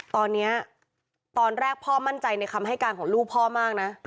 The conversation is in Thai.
ตอนนี้ตอนแรกพ่อมั่นใจในคำให้การของลูกพ่อมากนะ